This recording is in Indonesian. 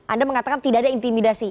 anda mengatakan tidak ada intimidasi